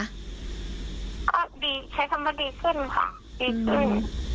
ก็ใช้ทำเถอะดีขึ้นค่ะดีจู๊